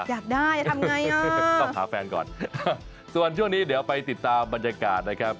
อยากได้จะทำไงต้องหาแฟนก่อนส่วนช่วงนี้เดี๋ยวไปติดตามบรรยากาศนะครับ